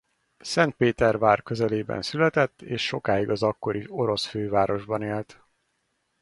Szentpétervár közelében született és sokáig az akkori orosz fővárosban élt.